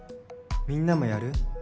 みんなもやる？